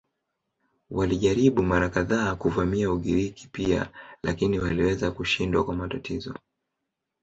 Walijaribu mara kadhaa kuvamia Ugiriki pia lakini waliweza kushindwa kwa matatizo.